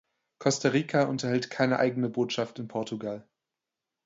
Costa Rica unterhält keine eigene Botschaft in Portugal.